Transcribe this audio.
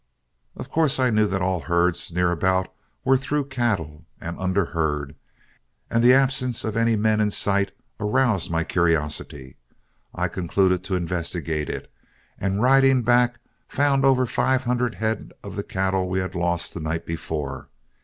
Of course I knew that all herds near about were through cattle and under herd, and the absence of any men in sight aroused my curiosity. I concluded to investigate it, and riding back found over five hundred head of the cattle we had lost the night before.